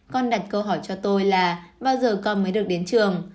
con đặt câu hỏi cho tôi là bao giờ con mới được đến trường